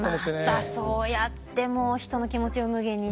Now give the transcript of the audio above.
またそうやって人の気持ちを無下にして。